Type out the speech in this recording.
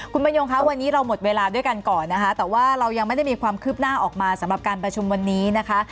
คุณบรรยงคะวันนี้เราหมดเวลาด้วยกันก่อนนะคะแต่ว่าเรายังไม่ได้มีความคืบหน้าออกมาสำหรับการประชุมวันนี้นะคะ